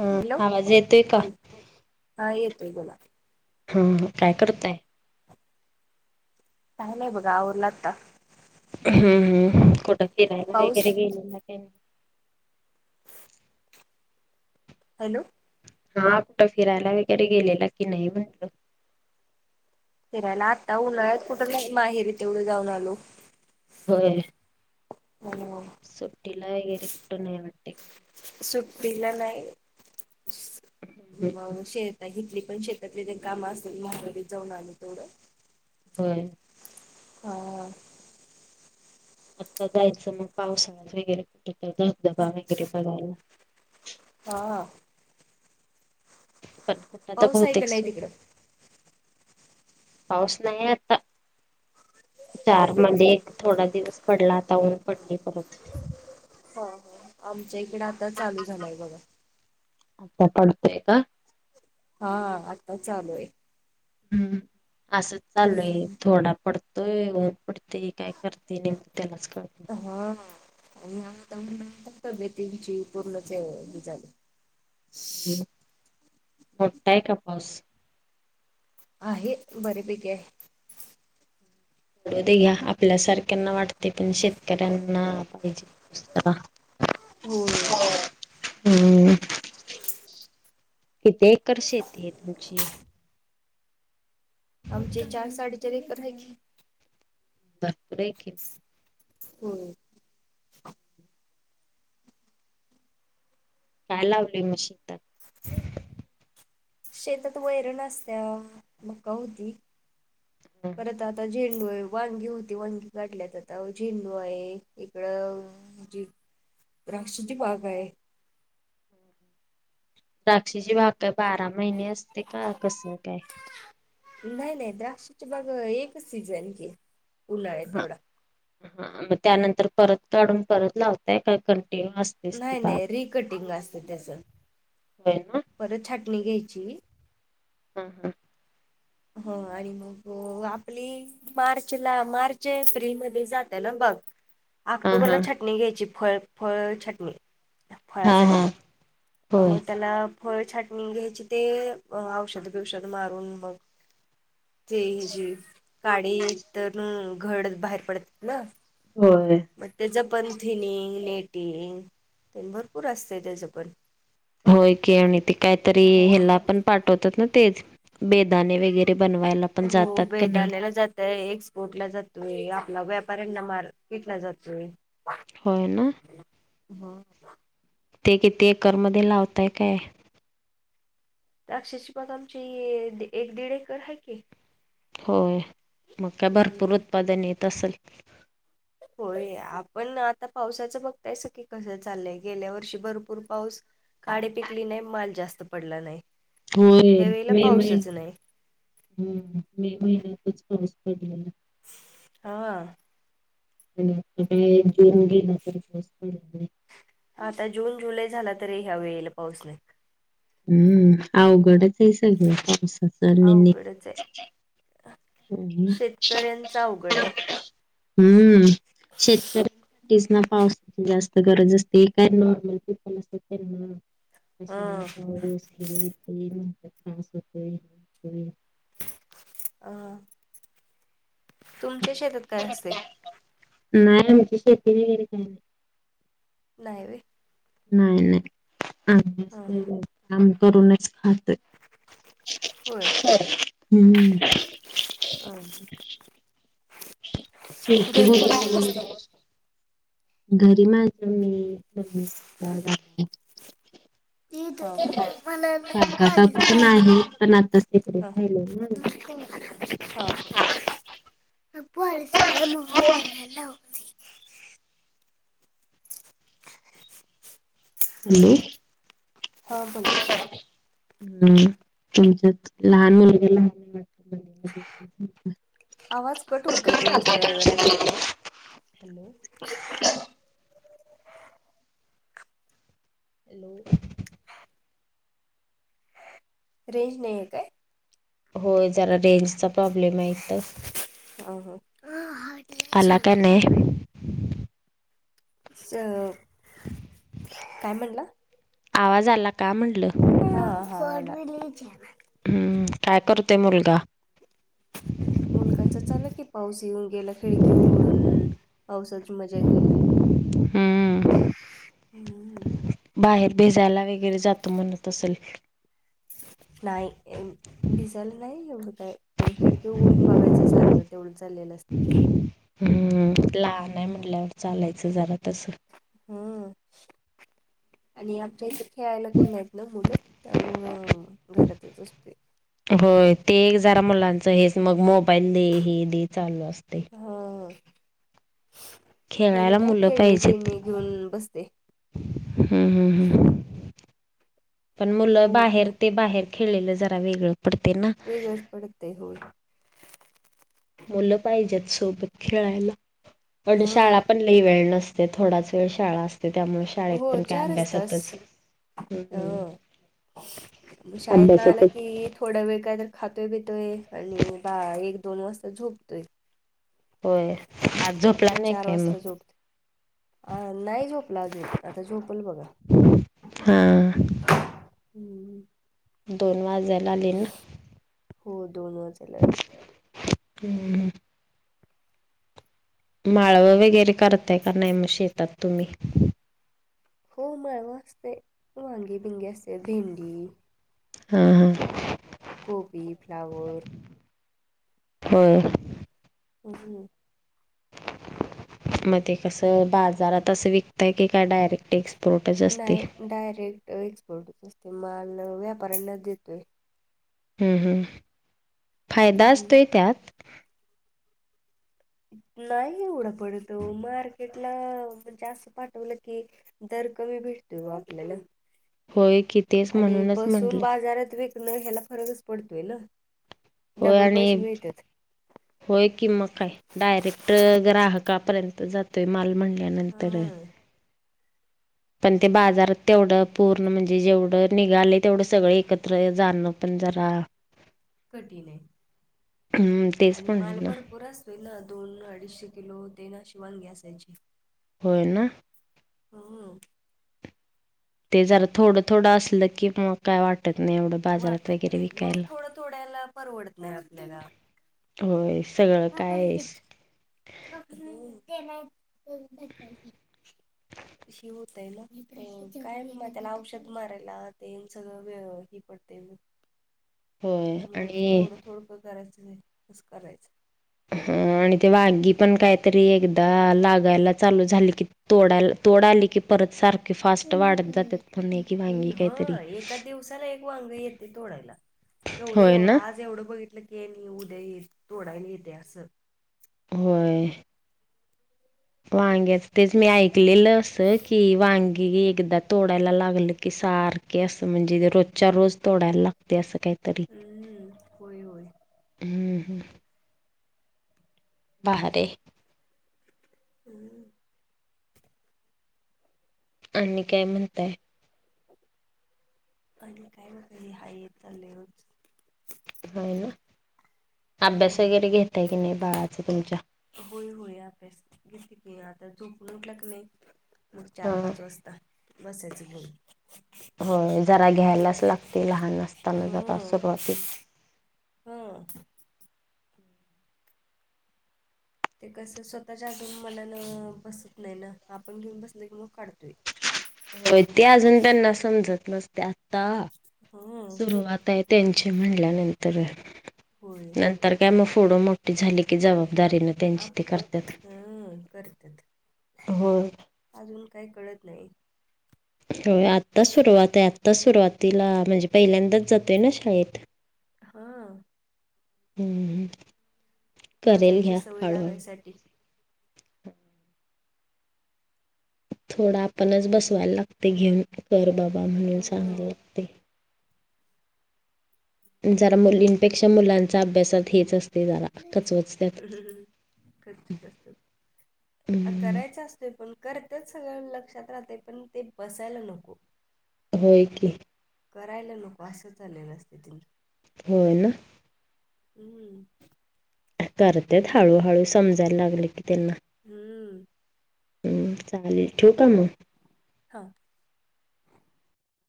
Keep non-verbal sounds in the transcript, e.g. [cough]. Hello आवाज येतोय का? बोल हा येत आहे बोला हम काय करतय? काय नाही बघा आवरलं आत्ताच का हम् हम कुठं फिरायला पाऊस वगैरे गेले ना काही हॅलो हा आपट फिरायला वगैरे गेलेला की नाही म्हणलो फिरायला आता उन्हाळ्यात कुठं नाही माहेरी तेवढं जाऊन आलो हो ह सुट्टीला येरकटो नाही वाटी. सुट्टीला नाही हम्म हम्म श घेतली पण श त्याले ते काम असेल म जाऊन आम्ही तेवढं हम् हा आत्ता जायचं मग पावसाळा वगैरे कुठ तर धबधबा वगैरे बघायला. हा पण कुठ तर पाऊस आहे का बहुतेक नाही तिकडं पाऊस नाही आता, चार मध्ये एक थोडा दिवस पडला आता ऊन पडली परत हा हा आमच्या इकडे आता चालू झालंय बघा, आता पडतय का? हा आता चालू आहे. हम्म असं चालूय आहे थोडा पड तोय ऊन पडते काय करते नम त्यालाच कळते हा ह आणि आ म्हतो बेती वि पूर्णचे विले ह् मोठाय का पाऊस? आहे बरे पैकी आहे. पडू दे घ्या आपल्यासारख्यांना वाटते पण शेतकऱ्यांना पाहिजे. ह होय. किती एकर शेती आहे तुमची? आमचे चार साडेचार एकर आहे की, भरपूर आहे की हम् काय लावली मग शेतात शेतात वैरण असत्या मका होतोय परत आता झेंडू आहे, वांगी होती वांगी काढल्यात आता झेंडू आहे इकडं, म्हणजे द्राक्षेची बाग आहे. द्राक्षाच्या बागा बारा महिने असते का कसं काय. नाही नाही द्राक्षाचे बाग एकच सीझन की उन्हाळ्या तेवढा ह मग त्यानंतर परत काढून परत लावताय का कंटिन्यू अस नाही नाही रिकटिंग असत त्याच होय ना परत छाटणी घ्यायची. हा हां हो आणि मग आपली मार्चला मार्च एप्रिलमध्ये जात ना बाग हा ऑक्टोबरला हा छाटणी घ्यायची फ फळ छटणी हा हा फळासाठी होय. मग त्याला फळ छाटणी घ्यायची ते औषध बिवशध मारून मग ते ह जे काडी तर घड बाहेर पडतात ना, होय. मग त्याचं पण थिनिंग नेटिंग भरपूर असते त्याच पण होय की आणि ते कायतरी हा ह्याला पण पाठवतात ना तेच बेदाने वगैरे बनवायला पण हो जातात का नाही बेदानाला जातय एक पोटला जातोय आपला व्यापाऱ्यांना माल विकला जातोय. होय ना, हम् ते किती एकरमध्येध्ये लावताय काय? अक्षरची बग आमची एक दीड एकर आहे की होय मग का भरपूर हम्म उत्पादन येत असेल. होय आपण आता पावसाचं बघतायस की कसं चाललंय गेल्या वर्षी भरपूर पाऊस काढ पिकली नाही माल जास्त पडला नाही. होय ह्या वेळेला मे महिन पाऊसच नाही हम्म मे महिन्यातच पाऊस पडलेला हा. जोून गेला तरी प आता जून जुलै झाला तरी ह्या वेळेला पाऊस नाही. हम्म आ गोड तेसग होकडच. हो ना हम्म. शेतकऱ्यांसाठीच ना पावसाची जास्त गरज असते काय नॉर्मल पीपल ना. अशाला हा पाऊस हे ते म्हणतात खास होतोयतय. अ तुमच्या शेतात काय असते. नाही आमची शेती वगैरे काही नाही. नाहीवे. नाही नाही ह आम्ही काम करूनच खातय. हम्म. ह शेती घरी कोण कोण अस वगैरे असते. घरी माझ मी् हा. मला काका का पॉलीस पण आहे पण आताच तिकडे खले ना. आम्ही. अच्छा. अप आच कळ म होतवाला होती. ह. हा बोला. हम तुमच लहान मुलग लान वाटत. आवाज कट होतोय तुमचा जरा जरा त हॅलो. हॅलो. रेंज नाही आहे काय? होय जरा रेंजचा प्रॉब्लेम आहे तर ह हो. आला का नाही. अ काय म्हणलं. आवाज आला का म्हटलं, हड [inaudible] हम्म काय करतोय मुलगा मुलगाच चालला की पाऊस येऊन गेला खिडकी उघडून पाऊसची मजा घ्यायला. हम्. हम्. बाहेर भेजायला वगैरे जात म्हणत असल. नाही. भिसायला नाही एवढं काय पण खिडकी ओळून बघायच सारखं तेवढं चाललेलं असतं. हम्म लहान आहे म्हंटल्यावर चालायचं जरा तस हम्म आणि आच्या इ. खेळायला कोण नाहीत ना मुलं त्यामुळं घरातच असते. होय ते एक जरा मुलांचं हेच मग मोबाईल दे हे दे चालू असते. हा प खेळायला ना मुलं खेळणी पाहिजेत बिळणी घेऊन बसते. हम्म हम् हम् पण मुलं पोर बाहेर ते बाहेर खेळलं जरा वेगळं पडते ना. वेगळच पडतेय हो. मुलं पाहिजेतत सोबत खेळायला. पण शाळा ह पण लईवेेळ नसते थोडाच वेळ शाळा असते त्यामुळे हो शाळेत पण काय चारच तास अभ्यासातच हम्म. ह शाळेत ना आला अभ्यासातच कि थोडा वेळ काय तर खातोय बितोय आणि बा एक दोन वाजता झोपतोय. होय, आज झोपला मग नाही आहे चार काय मग वाजता झोपतोय अ नाही झोपला आजे आता झोपल बघा. हा. हम्म. दोन वाजायला आले ना. हो दोन वाजायला आले. हम्. माळव वगैरे करताय का नाही मग शेतात तुम्ही? हो माळवं असतते वांगी बिंगी अस भिंडी हा हा. कोबी, फ्लावर होय. हो. मध्ये कसं बाजारात असं विकतय की काय डायरेक्ट एेक्स नाही डायरेक्ट एक्सपोर्टच असते माल व्यापाऱ्यांना देतोय. फायदा हम्म असतोय त्यात. नाही एवढं पडतो मार्केटला जास्त पाठवलं की दर कमी भेटतो आपल्याला होय की तेच आणि म्हणूनच बसून म्हटलं बाजारात विक हेला फरगस पडतवयल [inaudible] होय आणि होय कि मग काय डायरेक्ट ग्राहकापर्यंत जातोय माल म्हणल्यानंतर हा पण ते बाजारात तेवढं पूर्ण म्हणजे जेवढं निघाले तेवढं सगळं एकत्र जाणं पण जरा कठीण आहे हम् तेच पण ना. पुरा स् वेना दोन अडीचशे किलो देना शिवान गॅस यायचे. होय ना. हो हो. ते जरा थोडं थोडं असलं की मग काय वाटत नाही एवढं. बाजारात वाटत वगैरे नाही मग विकायला थोडं थोड्याला परवडत नाही आपल्याला. होय. सगळं काय [unintelligible] [unintelligible] हे होतय ना काय म त्याला औषध मारायला ते सगळं वे हे पडतय. होय त्यामुळ आणि थोडं थोडं प करायचं कसं करायचं अ आणि ते वांगी पण काहीतरी एकदा लागायला चालू झाली की तोडायला तोड आली की परत सारखे फास्ट पूर्ण वाढत जातात करायचं पण नाही की वांगी काहीतरी, ते तोडायला केवढे होय एवढं ना आज एवढं बघितलं,, ते नाही उद्या थोडा निरते असस होय. वांग्याच तेच मी ऐकलेलं असं की वांगी एकदा तोडायला लागलं की सार की असं म्हणजे रोजच्या रोज तोडायला लागतय असं काय? तरी हम्म होय होय हम्म हम्म. भारीय. हम् आणि काय म्हणताय? आणि काय नाही हाय हेच चालय रोजच. होय ना. अभ्यास हो वगैरे घेतय की नाही बाळाच तुमच्या? होय होय आभ्यास घेते की, आता झोपून उटला कनी मग चार हा पाच वाजता बसायच घेऊन. होय जरा घ्यायलाच लागतय लहान असताना जरा सुरुवातीला. हम ते कसं स्वतःच्या अजून मनान बसत नाही ना आपण घेऊन बसल की मग काढतोय. होय ते अजून त्यांना समजत नसतय, आता हं सुरुवात आहे. त्यांचे म्हणल्यानंतर होय नं तर काय मग फुडं मोठी झाली की जबाबदारी न आप हम करत्यात, होय अजून काही कळत नाही. होय आत्ता सुरुवात आहे, आत्ता सुरुवातीला म्हणजे पहिल्यांदाच जातोय ना शाळेत. हा हम्म करेल बसायची घ्या सवय हळूहळू. लागायसाठी थोडा आपणच बसवायला लागते घेऊन कर बाबा म्हणून सांगाय हं लागतय. जरा मुलींपेक्षा मुलांचा अभ्यासात हेच अस ते जरा कचवचत्यात. करतच असतात हम् करायचं असतोय पण करत्यात सगळं लक्षात राहतय पण ते बसायला नको. होय की करायला नको असं चालेलं आसतय तें होय ना हम्म करत्यात हळूहळू समजायला लागल की त्यांना. हम्म हम्म चालेल ठेवू का मग? हा.